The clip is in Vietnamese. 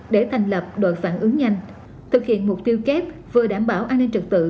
để thành lập đội phản ứng nhanh thực hiện mục tiêu kép vừa đảm bảo an ninh trực tự